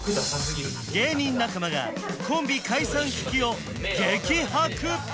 芸人仲間がコンビ解散危機を激白！